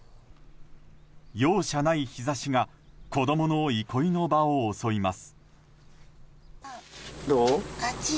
容赦ない日差しが子供の憩いの場を襲います。